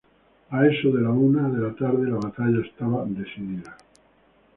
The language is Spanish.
A eso de la una de la tarde la batalla estaba decidida.